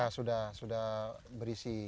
iya sudah berisi